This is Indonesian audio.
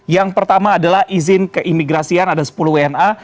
yang pertama adalah izin keimigrasian ada sepuluh wna